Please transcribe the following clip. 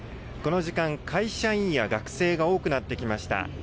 この時間、会社員や学生が多くなってきました。